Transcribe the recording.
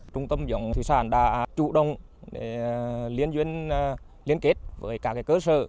trung tâm dòng thủy sản đã chủ động để liên kết với các cơ sở